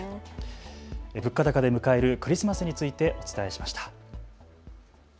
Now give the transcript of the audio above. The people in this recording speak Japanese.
物価高で迎えるクリスマスについてお伝えしました。